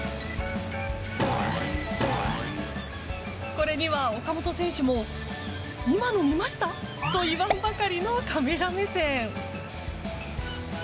これには岡本選手も今の見ましたか？と言わんばかりのカメラ目線。